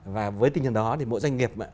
và với tính nhân đó thì mỗi doanh nghiệp